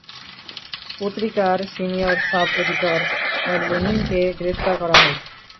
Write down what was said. পত্রিকার senior sub editor লেনিনকে গ্রেফতার করা হয়।